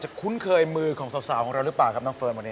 คุ้นเคยมือของสาวของเราหรือเปล่าครับน้องเฟิร์นวันนี้